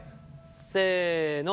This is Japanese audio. せの！